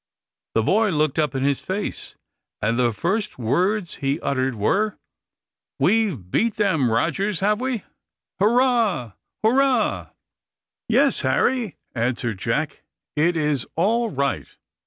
The boy looked up in his face, and the first words he uttered were "We've beat them, Rogers, have we? Hurrah! hurrah!" "Yes, Harry," answered Jack, "it is all right.